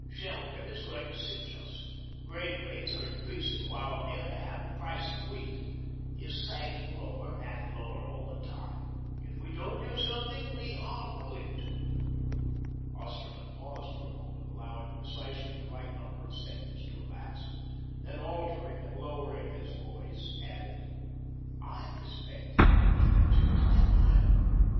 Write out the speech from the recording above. Shelgrim is going to cinch us. Grain rates are increasing, while, on the other hand, the price of wheat is sagging lower and lower all the time. If we don't do something we are ruined." Osterman paused for a moment, allowing precisely the right number of seconds to elapse, then altering and lowering his voice, added: "I respect the Governor's principles. I admire them.